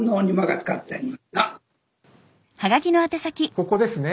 ここですね